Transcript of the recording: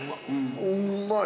うんまい。